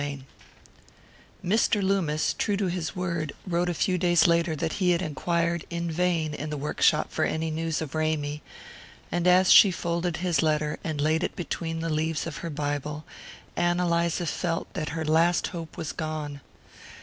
XI Mr. Loomis, true to his word, wrote a few days later that he had enquired in vain in the work shop for any news of Ramy; and as she folded this letter and laid it between the leaves of her Bible, Ann Eliza felt that her last hope was gone.